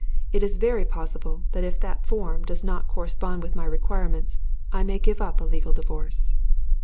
It is very possible that if that form does not correspond with my requirements I may give up a legal divorce."